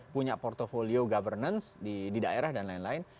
punya portfolio governance di daerah dan lain lain